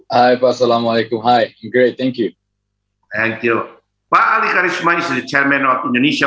hai pak assalamualaikum hai great thank you thank you pak ali karisma is the chairman of indonesia